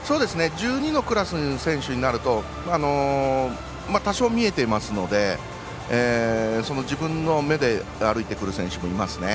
１２のクラスの選手になると多少見えていますので自分の目で歩いてくる選手もいますね。